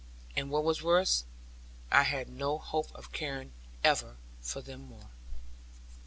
And what was worse, I had no hope of caring ever for them more.